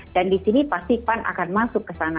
dan di sini pasti pan akan masuk ke sana